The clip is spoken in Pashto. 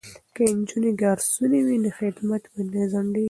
که نجونې ګارسونې وي نو خدمت به نه ځنډیږي.